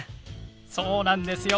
そうなんですよ。